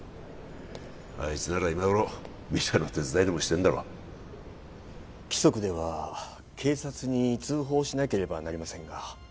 あいつなら今ごろ店の手伝いでもしてんだろ規則では警察に通報しなければなりませんが